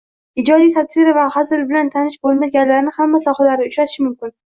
Ijodiy satira va hazil bilan tanish bo'lmaganlarni hamma sohalarda uchratish mumkin